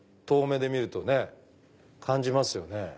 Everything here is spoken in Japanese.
遠目で見るとね感じますよね。